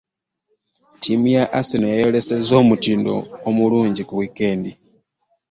Ttiimu ya Arsernal yaayolesezza omutindo omulungi ku wiikendi.